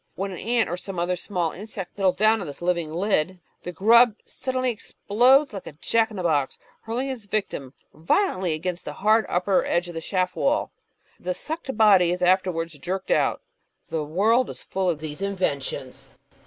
When an ant or some other small insect settles down on this living lid, the grub suddenly explodes like a jack in the box, hurling its victim violently against the hard upper edge of the shaft wall. The sucked body is afterwards jerked out. The world is fuU of these inventions.